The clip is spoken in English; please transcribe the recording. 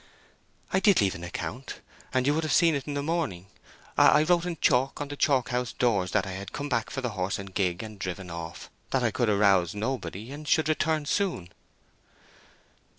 "I did leave an account—and you would have seen it in the morning. I wrote in chalk on the coach house doors that I had come back for the horse and gig, and driven off; that I could arouse nobody, and should return soon."